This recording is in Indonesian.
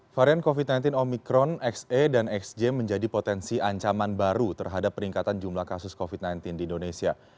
varian covid sembilan belas omikron xe dan xj menjadi potensi ancaman baru terhadap peningkatan jumlah kasus covid sembilan belas di indonesia